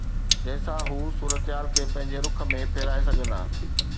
جنهن سان هو صورتحال کي پنهنجي رخ ۾ ڦيرائي سگهندا.